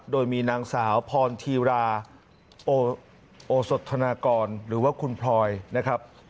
โดยมีนางสาวพรธีราโอสดธนากรหรือว่าคุณพลอยนะครับ